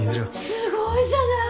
すごいじゃない！